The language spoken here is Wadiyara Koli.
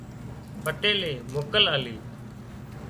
پٽيلي موڪل آلِي